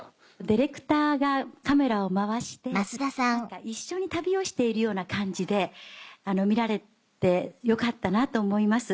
ディレクターがカメラを回して一緒に旅をしているような感じで見られてよかったなと思います。